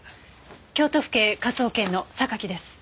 京都府警科捜研の榊です。